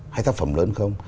hay tác phẩm lớn không